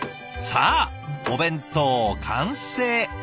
さあお弁当完成。